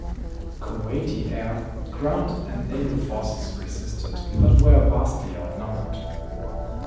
Kuwaiti air, ground, and naval forces resisted, but were vastly outnumbered.